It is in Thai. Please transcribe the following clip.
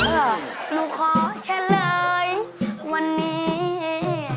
ลูกขอเช็คเลยวันนี้